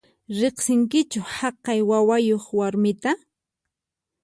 Riqsinkichu haqay wawayuq warmita?